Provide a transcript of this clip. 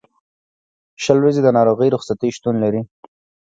شل ورځې د ناروغۍ رخصتۍ شتون لري.